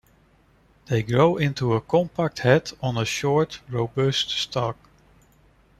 They grow into a compact head on a short, robust stalk.